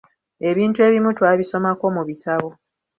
Ebintu ebimu twabisomako mu bitabo.